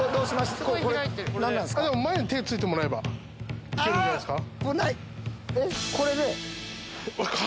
前に手突いてもらえば行けるんじゃないですか。